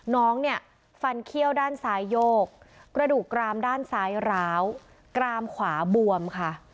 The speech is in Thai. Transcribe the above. น้องเนี่ยฟันเขี้ยวด้านซ้ายโยกกระดูกกรามด้านซ้ายร้าวกรามขวาบวมค่ะ